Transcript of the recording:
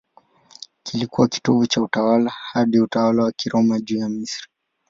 Kilikuwa kitovu cha utawala hadi utawala wa Kiroma juu ya Misri.